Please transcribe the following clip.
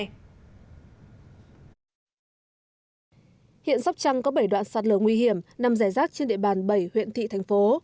hiện sóc trăng có bảy đoạn sạt lở nguy hiểm nằm rẻ rác trên địa bàn bảy huyện thị thành phố